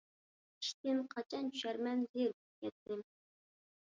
ئىشتىن قاچان چۈشەرمەن، زېرىكىپ كەتتىم.